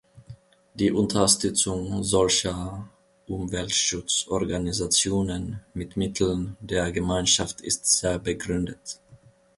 Die Unterstützung solcher Umweltschutzorganisationen mit Mitteln der Gemeinschaft ist sehr begründet.